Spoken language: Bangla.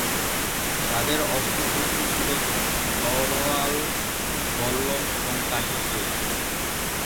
তাদের অস্ত্রশস্ত্র ছিল তরোয়াল, বল্লম এবং কাঠের তৈরি তীর।